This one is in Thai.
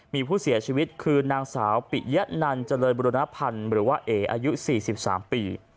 มีผู้เสียชีวิตคือนางสาวปิยะนันเจริญบุรณพันธ์หรือว่าเออายุ๔๓ปี